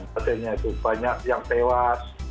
padahal banyak yang tewas